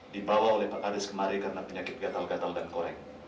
dibawa oleh pak karis kemari karena penyakit gatal gatal dan korek